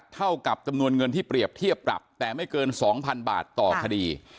เท่ากับจำนวนเงินที่เปรียบเทียบปรับแต่ไม่เกิน๒๐๐๐บาทต่อคดี